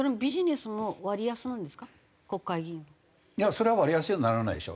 それは割安にはならないでしょ。